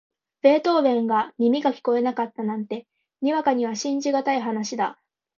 ベートーヴェンが耳が聞こえなかったなんて、にわかには信じがたい話だ。